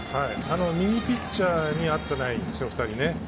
右ピッチャーに合っていないんですよね。